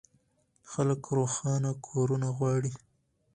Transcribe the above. خلک روښانه کورونه غواړي.